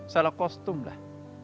salah kostum lah